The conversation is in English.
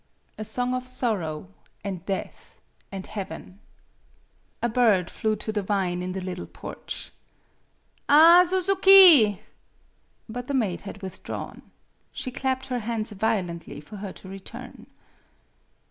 A SONG OF SORROW AND DEATH AND HEAVEN A BIRD flew to the vine in the little porch. "Ah, Suzuki!" But the maid had withdrawn. She clapped her hands violently for her to return.